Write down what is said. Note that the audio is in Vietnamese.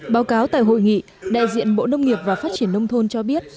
báo cáo tại hội nghị đại diện bộ nông nghiệp và phát triển nông thôn cho biết